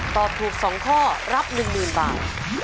ตอบถูก๒ข้อรับ๑๐๐๐บาท